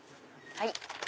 はい。